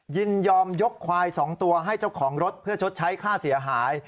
ยินยอมยกควาย๒ตัวให้เจ้าของรถเพื่อชดใช้ค่าเสียหาย